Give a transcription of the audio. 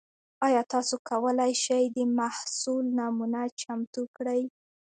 ایا تاسو کولی شئ د محصول نمونه چمتو کړئ؟